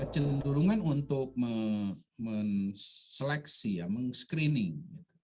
cenderungan untuk menseleksi meng screening